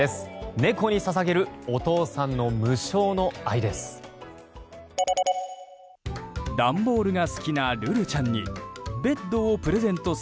猫にささげるお父さんの無償の愛です。